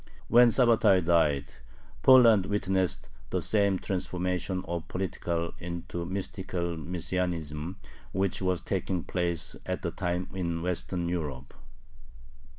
When Sabbatai died, Poland witnessed the same transformation of political into mystical Messianism which was taking place at the time in Western Europe.